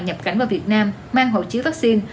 nhập cảnh vào việt nam mang hộ chiếu vaccine